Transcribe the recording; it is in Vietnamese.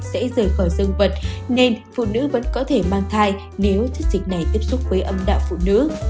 sẽ rời khỏi dân vật nên phụ nữ vẫn có thể mang thai nếu thiết dịch này tiếp xúc với âm đạo phụ nữ